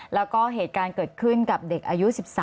แล้วก็เหตุการณ์เกิดขึ้นกับเด็กอายุ๑๓